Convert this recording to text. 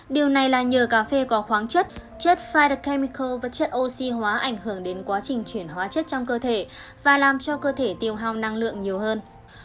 điều này là nhờ cà phê có khoáng chất chất fidercamical và chất oxy hóa ảnh hưởng đến quá trình chuyển hóa chất trong cơ thể và làm cho cơ thể tiêu hào năng lượng nhiều hơn